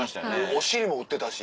お尻も打ってたし。